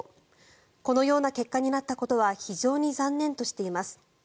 このような結果になったことは非常に残念としています。